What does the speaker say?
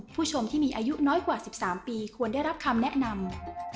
ผู้ชมที่มีอายุน้อยกว่า๑๓ปีควรได้รับคำแนะนำ